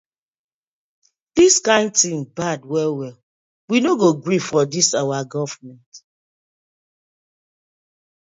Dis kin tin bad well well, we no gree for dis our gofment.